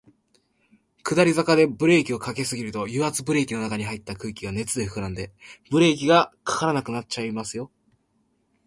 下り坂でブレーキを掛けすぎると、油圧ブレーキの中に入った空気が熱で膨らんで、ブレーキが掛からなくなります。